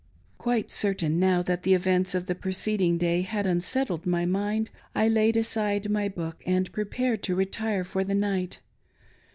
Quite certain now that the events of the preceding day had unsettled my mind, I laid aside my book and prepared to retire for the night.